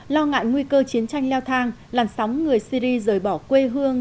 lo ngại nguy cơ chiến tranh leo thang làn sóng người syri rời bỏ quê hương